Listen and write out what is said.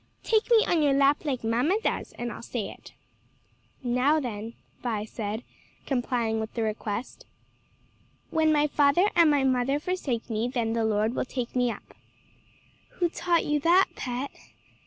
"Take me on your lap like mamma does and I'll say it." "Now then," Vi said, complying with the request. "'When my father and my mother forsake me then the Lord will take me up.'" "Who taught you that, pet?"